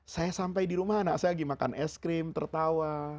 saya sampai di rumah anak saya lagi makan es krim tertawa